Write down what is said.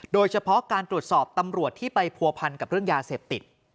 โดยเฉพาะการตรวจสอบตำรวจที่ไปผัวพันกับเรื่องยาเสพติด